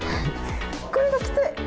これがきつい！